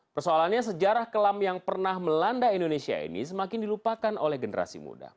persoalannya sejarah kelam yang pernah melanda indonesia ini semakin dilupakan oleh generasi muda